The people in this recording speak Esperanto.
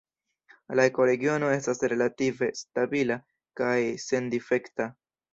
La ekoregiono estas relative stabila kaj sendifekta.